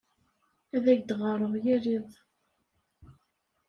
Ad ak-d-ɣɣareɣ yal iḍ.